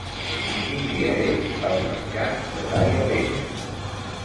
Quin dia és el mercat de Daia Vella?